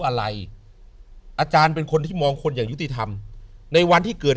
อะไรอาจารย์เป็นคนที่มองคนอย่างยุติธรรมในวันที่เกิด